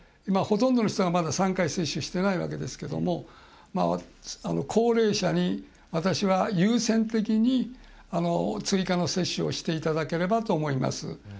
ほとんどの人が３回、接種してないわけですけど高齢者に私は優先的に追加の接種をしていただければと思います。